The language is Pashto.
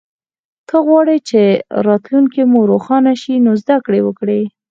که غواړی چه راتلونکې مو روښانه شي نو زده ګړې وکړئ